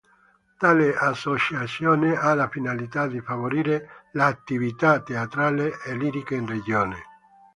Tale associazione ha la finalità di favorire l'attività teatrale e lirica in regione.